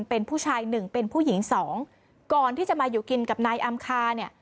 เป็นผู้ชายหนึ่งเป็นผู้หญิงสองก่อนที่จะมาอยู่กินกับนายอำคาเนี่ย